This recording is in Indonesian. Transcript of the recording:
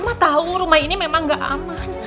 mah tahu rumah ini memang gak aman